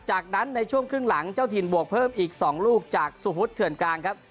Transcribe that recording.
จากนั้นในช่วงครึ่งหลังเจ้าถิ่นบวกเพิ่มอีก๒ลูกจากสุพุทธเถื่อนกลางครับ